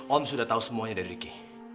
om sudah tahu semuanya dari ricky